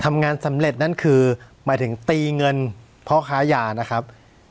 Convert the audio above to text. ทำงานสำเร็จนั่นคือหมายถึงตีเงินพ่อค้ายานะครับ